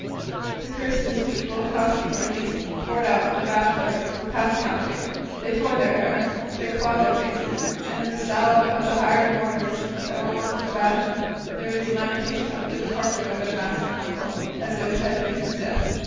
The curses which both housekeeper and niece poured out on the bachelor were past counting; they tore their hair, they clawed their faces, and in the style of the hired mourners that were once in fashion, they raised a lamentation over the departure of their master and uncle, as if it had been his death.